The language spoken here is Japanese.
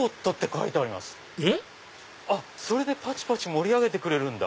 それで盛り上げてくれるんだ。